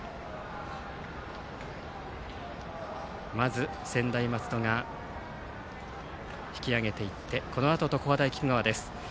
まず専大松戸が引き揚げていってこのあと、常葉大菊川です。